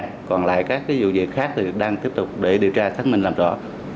còn lại các vụ việc khác đang tiếp tục để điều tra thắc minh làm rõ